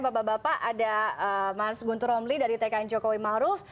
bapak bapak ada mas guntur romli dari tkn jokowi maruf